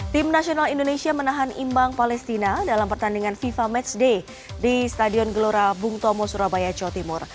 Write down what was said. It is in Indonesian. tim nasional indonesia menahan imbang palestina dalam pertandingan fifa matchday di stadion gelora bung tomo surabaya jawa timur